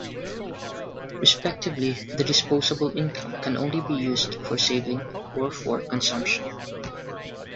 Respectively the disposable income can only be used for saving or for consumption.